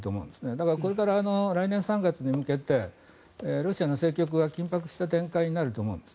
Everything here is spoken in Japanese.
だから、これから来年３月に向けてロシアの政局が緊迫した展開になると思うんです。